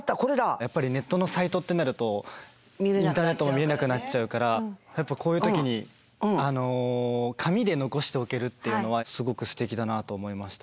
やっぱりネットのサイトってなるとインターネットも見れなくなっちゃうからこういう時に紙で残しておけるっていうのはすごくすてきだなと思いました。